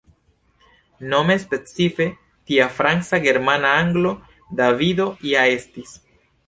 Nome specife tia Franca Germana Anglo Davido ja estis.